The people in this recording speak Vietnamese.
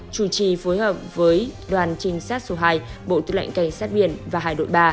chủ trì phối hợp với đoàn trinh sát số hai bộ tư lệnh cảnh sát biển và hải đội ba